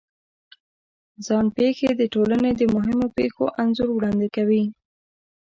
ځان پېښې د ټولنې د مهمو پېښو انځور وړاندې کوي.